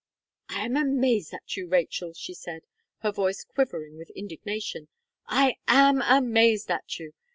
"I am amazed at you, Rachel!" she said, her voice quivering with indignation. "I am amazed at you.